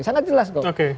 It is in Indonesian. sangat jelas kok